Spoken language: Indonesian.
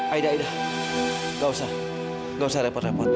aida ida gak usah gak usah repot repot